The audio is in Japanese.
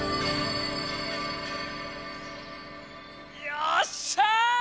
よっしゃ！